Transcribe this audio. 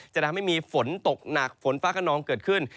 จะทำให้มีฝนตกหนักฝนฟ้าขนองเกิดขึ้น